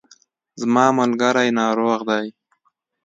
زما ملګری ناروغ دی